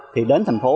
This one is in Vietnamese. thì đến thành phố